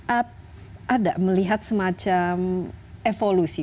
ada melihat semacam evolusi